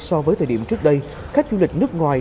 so với thời điểm trước đây khách du lịch nước ngoài